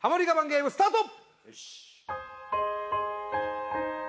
ゲームスタート